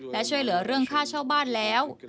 และช่วยเหลือเรื่องค่าเช่าบ้านแล้ว